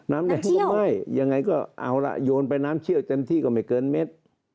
น้ำท่วมไหม้ยังไงก็เอาล่ะโยนไปน้ำเชี่ยวเต็มที่ก็ไม่เกินเม็ด